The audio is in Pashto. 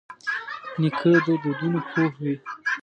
نیکه د دودونو پوه وي.